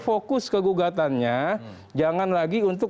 fokus kegugatannya jangan lagi untuk